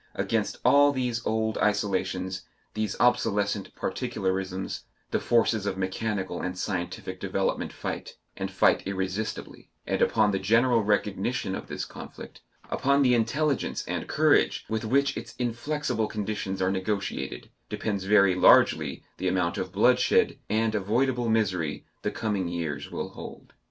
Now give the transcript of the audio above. Against all these old isolations, these obsolescent particularisms, the forces of mechanical and scientific development fight, and fight irresistibly; and upon the general recognition of this conflict, upon the intelligence and courage with which its inflexible conditions are negotiated, depends very largely the amount of bloodshed and avoidable misery the coming years will hold.